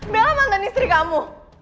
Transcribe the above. bella mantan istri kamu